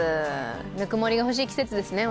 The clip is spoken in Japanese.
ぬくもりが欲しい季節ですね。